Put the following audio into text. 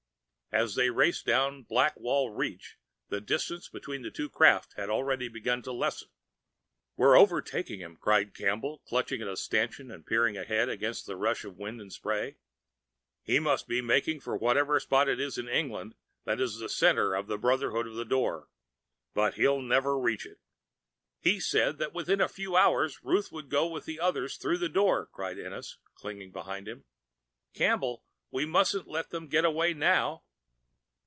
As they raced down Blackwall Reach, the distance between the two craft had already begun to lessen. "We're overtaking him!" cried Campbell, clutching a stanchion and peering ahead against the rush of wind and spray. "He must be making for whatever spot it is in England that is the center of the Brotherhood of the Door but he'll never reach it." "He said that within a few hours Ruth would go with the others through the Door!" cried Ennis, clinging beside him. "Campbell, we mustn't let them get away now!"